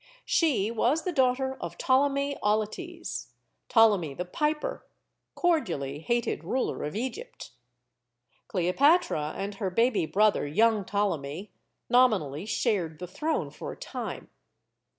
She was the daughter of Ptolemy Auletes Ptolemy the Piper cordially hated ruler of Egypt. Cleopatra and her baby brother, young Ptolemy, nominally shared the throne for a time.